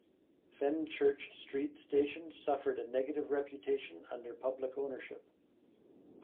Fenchurch Street station suffered a negative reputation under public ownership.